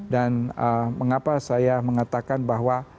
dan mengapa saya mengatakan bahwa